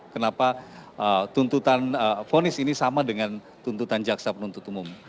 kenapa tuntutan fonis ini sama dengan tuntutan jaksa penuntut umum